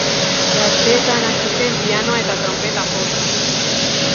Gaztetan hasi zen pianoa eta tronpeta jotzen.